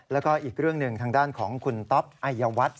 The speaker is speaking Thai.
แล้วก็อีกเรื่องหนึ่งทางด้านของคุณต๊อปอายวัฒน์